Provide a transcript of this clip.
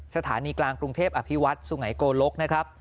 สถานีกลางกรุงเทพอภิวัฒน์สุงัยโกลก